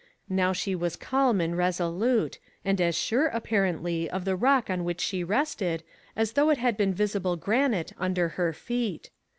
Now she was calm and resolute, and as sure, apparently, of the rock on which she rested, as though it had been visible granite under her feet.